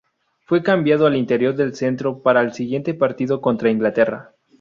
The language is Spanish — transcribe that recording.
Fue cambiado al interior de centro para el siguiente partido contra Inglaterra.